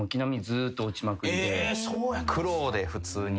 苦労で普通に。